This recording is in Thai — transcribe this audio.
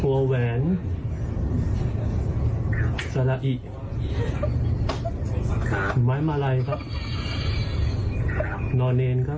หัวแหวนครับสระอิครับไม้มาลัยครับครับนอนเนนครับ